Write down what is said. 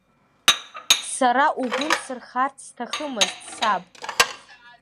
Сара угәы нсырхарц сҭахымызт, саб.